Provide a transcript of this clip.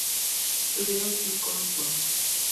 Tuvieron cinco hijos.